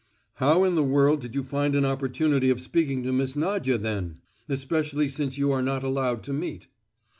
"How in the world did you find an opportunity of speaking to Miss Nadia then? especially since you are not allowed to meet."